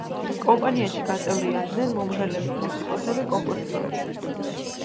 კომპანიაში გაწევრიანდნენ მომღერლები, მუსიკოსები, კომპოზიტორები.